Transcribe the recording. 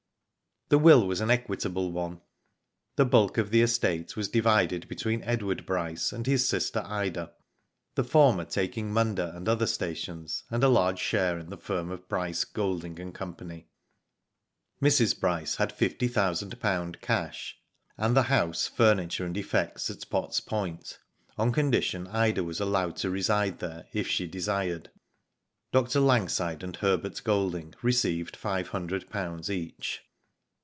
The will was an equitable one. The bulk of the estate was divided between Edward Bryce ^nd his sister Ida, the former taking Munda and Digitized byGoogk 30 WHO DID ITf other stations, and a large share in the firm of Bryce, Golding, and Co. Mrs. Bryce had ;{^50,ooo cash and the house, furniture, and effects at Potts Point, on condition Ida was allowed to reside there if she desired. Dr. Langside and Herbert Golding received five hundred pounds each.